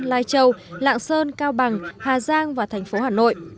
lai châu lạng sơn cao bằng hà giang và thành phố hà nội